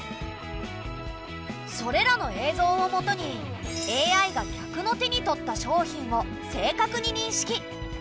それらの映像をもとにＡＩが客の手に取った商品を正確に認識。